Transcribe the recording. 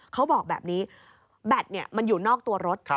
เขาบอกแบบนี้แบตมันอยู่นอกตัวรถ